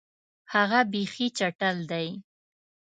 هغه بیخي چټل دی.